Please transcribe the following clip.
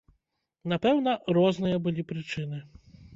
Напэўна, розныя былі прычыны.